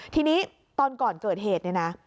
ทีนี้ตอนก่อนเกิดเหตุเนี่ยนะ